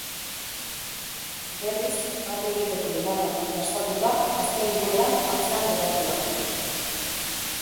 Berriz bat egiteko indarrak gastatuta, azken igoeran atzean geratu da.